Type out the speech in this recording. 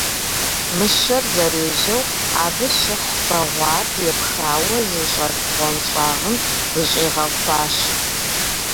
Мыщэр зэрежьэу, абы щыхь бэгъуар епхауэ зыщӀэт бгъуэнщӀагъым зыщӀигъэхуащ.